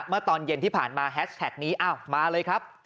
เมื่อตอนเย็นที่ผ่านมาแฮชแท็กนี้อ้าวมาเลยครับ